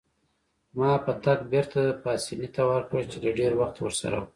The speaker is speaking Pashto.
ما پتک بیرته پاسیني ته ورکړ چې له ډیر وخته ورسره وو.